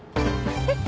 えっ？